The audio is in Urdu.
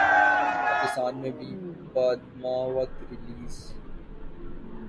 پاکستان میں بھی پدماوت ریلیز